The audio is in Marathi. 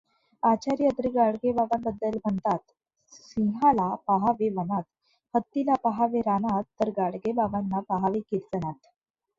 आचार्य अत्रे गाडगेबाबांबद्दल म्हणतात सिंहाला पाहावे वनात, हत्तीला पाहावे रानात, तर गाडगेबाबांना पाहावे कीर्तनात.